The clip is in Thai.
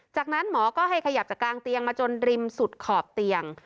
จากนั้นหมอก็ให้ขยับจากกลางเตียงมาจนริมสุดขอบเตียง